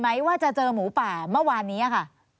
ไหมว่าจะเจอหมู่ฝ่าเมื่อแรง